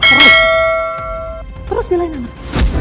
terus terus belain anak